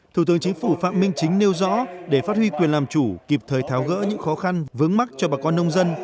thủ tướng chính phủ phạm minh chính nêu rõ để phát huy quyền làm chủ kịp thời tháo gỡ những khó khăn vướng mắt cho bà con nông dân